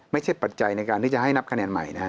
ปัจจัยในการที่จะให้นับคะแนนใหม่นะฮะ